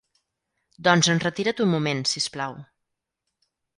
Doncs enretira't un moment, sisplau.